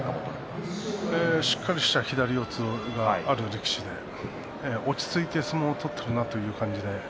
しっかりとした左四つがある力士で落ち着いて相撲を取っているなという感じです。